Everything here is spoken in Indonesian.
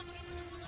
ayo tak beruang